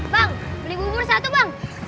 bang beli bubur satu bang